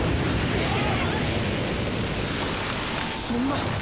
そんな！